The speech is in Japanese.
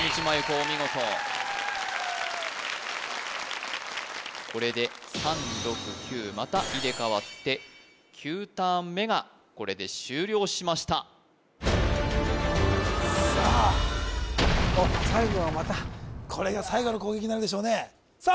お見事これで３６９また入れ替わって９ターン目がこれで終了しましたさああっ最後はまたこれが最後の攻撃になるでしょうねさあ